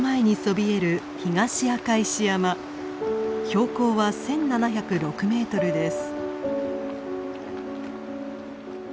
標高は１，７０６メートルです。